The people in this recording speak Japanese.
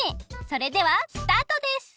それではスタートです！